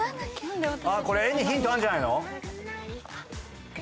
これ絵にヒントあんじゃないの？